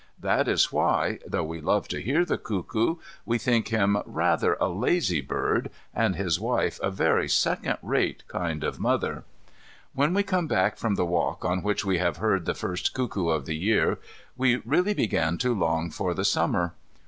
That is why, though we love to hear the cuckoo, we think him rather a lazy bird, and his wife a very second rate kind of mother. When we come back from the walk on which we have heard the first cuckoo of the year, we really begin to long for the Summer.